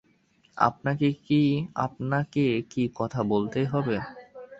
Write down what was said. আপনাকে কি কথা বলতেই হবে?